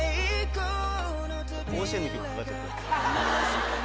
甲子園の曲かかっちゃってる。